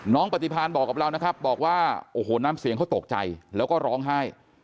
ปฏิพันธ์บอกกับเรานะครับบอกว่าโอ้โหน้ำเสียงเขาตกใจแล้วก็ร้องไห้